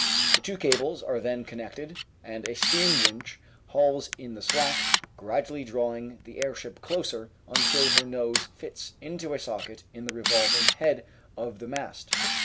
The two cables are then con nected, and a steam winch hauls in the slack, gradually drawing the airship closer until her nose fits into a socket in the revolving head of the mast.